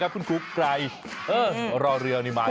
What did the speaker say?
ครูไกร